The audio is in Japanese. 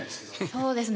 そうですね。